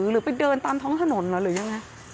หรือไปเดินตามท้องถนนหรือยังไง